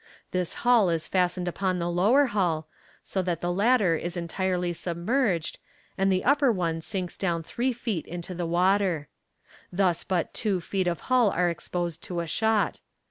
This hull is fastened upon the lower hull, so that the latter is entirely submerged, and the upper one sinks down three feet into the water. Thus but two feet of hull are exposed to a shot.